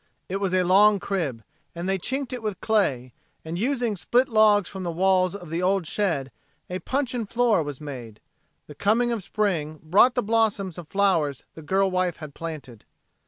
It was a log crib, and they chinked it with clay, and using split logs from the walls of the old shed, a puncheon floor was made. The coming of spring brought the blossoms of flowers the girl wife had planted.